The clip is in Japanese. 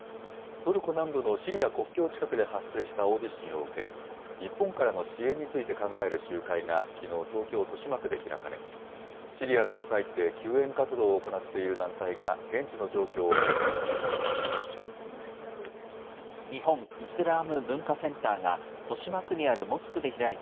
トルコ南部のシリア国境近くで発生した大地震を受け、日本からの支援について考える集会がきのう、東京・豊島区で開かれ、シリアの被災地で救援活動を行っている団体が現地の状況を報告しました。